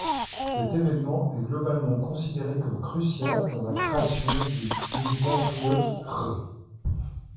Cet évènement est globalement considéré comme crucial dans la création du mouvement riot grrrl.